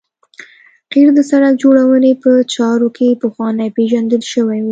قیر د سرک جوړونې په چارو کې پخوا پیژندل شوی و